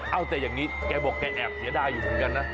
เอาแต่อย่างนี้แกบอกแกแอบเสียดายอยู่เหมือนกันนะ